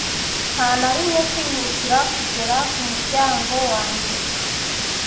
nta na rimwe, kwihutira kugera ku muryango wanjye